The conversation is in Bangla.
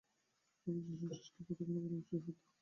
আমি যে শচীশকে কতখানি ভালোবাসি এবার তাহা বুঝিলাম।